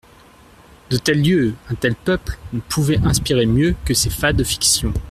De tels lieux, un tel peuple, pouvaient inspirer mieux que ces fades fictions.